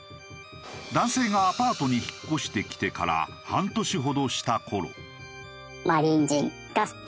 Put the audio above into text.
男性がアパートに引っ越してきてから半年ほどした頃。